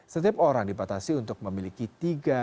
setiap orang dibatasi untuk memiliki tiga